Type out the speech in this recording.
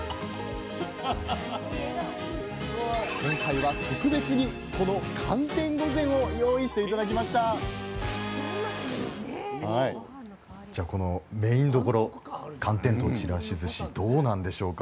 今回は特別にこの「寒天御膳」を用意して頂きましたじゃこのメインどころ寒天とちらしずしどうなんでしょうか？